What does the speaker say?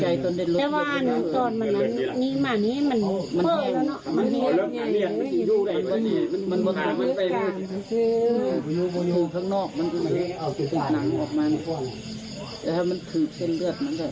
จะตกใจตอนเดินรถแต่ว่าหนึ่งตอนเหมือนนั้นนิ่งมานี้มันเผลอแล้วเนาะ